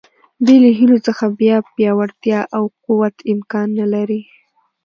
بې له هیلو څخه بیا پیاوړتیا او قوت امکان نه لري.